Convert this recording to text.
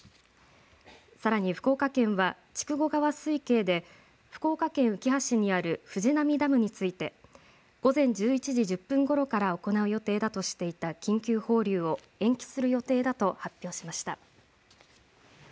さらに福岡県は筑後川水系で福岡県うきは市にある藤波ダムについて午前１１時１０分ごろから行う予定だとしていた緊急放流を延期する予定だと発表しました。